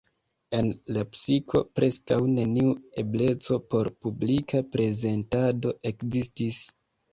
En Lepsiko preskaŭ neniu ebleco por publika prezentado ekzistis.